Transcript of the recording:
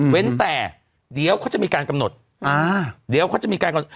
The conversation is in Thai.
แต่เดี๋ยวเขาจะมีการกำหนดอ่าเดี๋ยวเขาจะมีการกำหนด